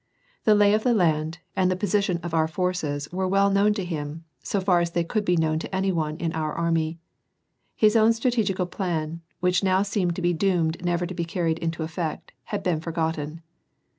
The lay of the land, and the position of our forces were well known to him, so far as they could be known to any one in our army. His own strat egical plan, which now seemed to be doomed never to be carried into effect, had been forgotten.